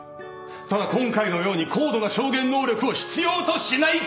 ただ今回のように高度な証言能力を必要としないケースでした！